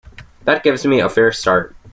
That gives me a fair start.